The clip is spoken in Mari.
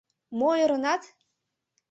Мо, ӧрынат?